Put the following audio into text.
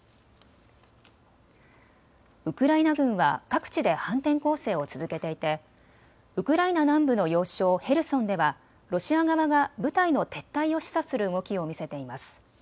ウクライナ軍は各地で反転攻勢を続けていてウクライナ南部の要衝ヘルソンではロシア側が部隊の撤退を示唆する動きを見せています。